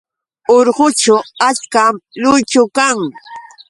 Urqućhu achkam lluychu kan.